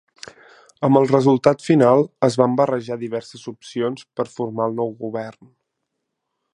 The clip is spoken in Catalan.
Amb el resultat final, es van barrejar diverses opcions per formar el nou govern.